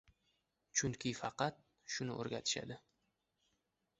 Chunki faqat shuni o‘rgatishadi.